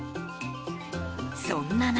そんな中。